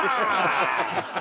ハハハハ！